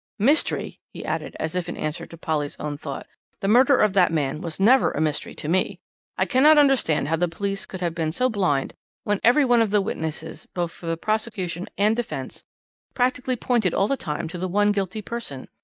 "Mystery!" he added as if in answer to Polly's own thoughts. "The murder of that man was never a mystery to me. I cannot understand how the police could have been so blind when every one of the witnesses, both for the prosecution and defence, practically pointed all the time to the one guilty person.